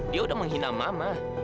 dia udah menghina mama